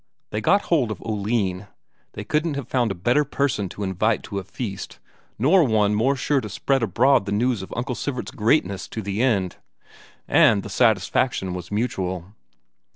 They got hold of Oline they couldn't have found a better person to invite to a feast, nor one more sure to spread abroad the news of Uncle Sivert's greatness to the end. And the satisfaction was mutual.